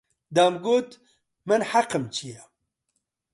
دەمگوت: من حەقم چییە؟